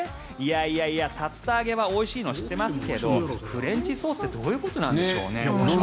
いやいや、竜田揚げはおいしいの知ってますけどフレンチソースってどういうことなんでしょうね。